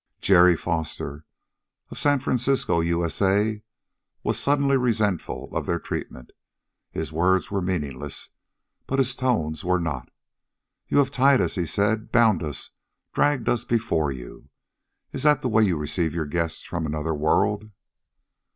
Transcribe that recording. Jerry Foster, of San Francisco, U. S. A., was suddenly resentful of their treatment. His words were meaningless, but his tones were not. "You have tied us," he said, "bound us dragged us before you. Is that the way you receive your guests from another world?"